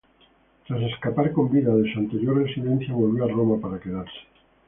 Tras escapar con vida de su anterior residencia, volvió a Roma para quedarse.